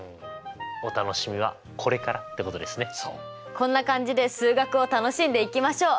こんな感じで数学を楽しんでいきましょう！